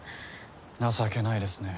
情けないですね